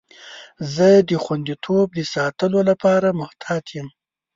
زه د خوندیتوب د ساتلو لپاره محتاط یم.